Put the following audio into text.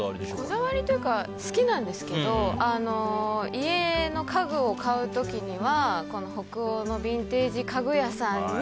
こだわりというか好きなんですけど家の家具を買う時には北欧のビンテージ家具屋さんで。